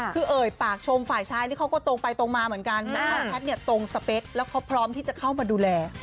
คือเอ่ยปากชมฝ่ายชายนี่เขาก็ตรงไปตรงมาเหมือนกันแต่ว่าแพทย์เนี่ยตรงสเปคแล้วเขาพร้อมที่จะเข้ามาดูแล